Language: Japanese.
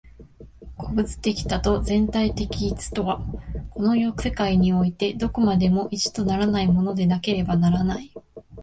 個物的多と全体的一とは、この世界においてどこまでも一とならないものでなければならない。